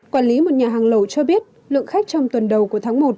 quản lý một nhà hàng lẩu cho biết lượng khách trong tuần đầu của tháng một